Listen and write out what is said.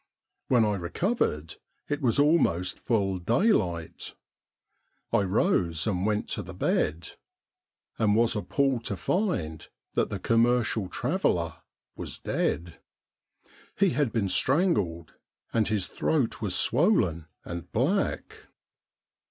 When I recovered, it was almost full daylight. I rose and went to the bed, and was appalled to find that the commercial traveller was dead. He had been strangled, and his throat was swollen and black.